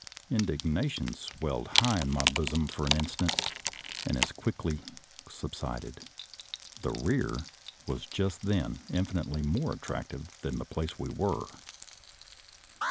" Indignation swelled high in my bosom for an instant, and as quickly subsided — the rear was just then infinitely more attractive than the place we were.